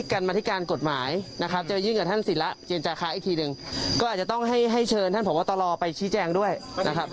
ก็อาจจะต้องให้เชิญท่านผ่องว่าตลอไปชี้แจ้งด้วยนะครับ